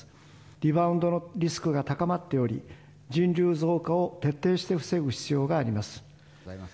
リバウンドのリスクが高まっており、人流増加を徹底して防ぐ必要があります。